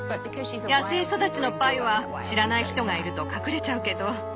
野生育ちのパイは知らない人がいると隠れちゃうけど。